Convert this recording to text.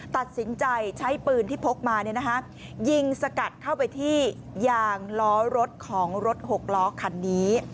ตัดสินใจใช้ปืนที่พกมายิงสกัดเข้าไปที่ยางล้อรถของรถ๖ล้อคันนี้